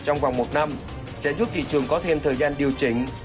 trong vòng một năm sẽ giúp thị trường có thêm thời gian điều chỉnh